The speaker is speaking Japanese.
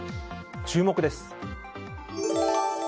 注目です。